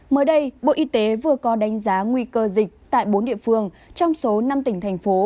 mới đây bộ y tế vừa có đánh giá nguy cơ dịch tại bốn địa phương trong số năm tỉnh thành phố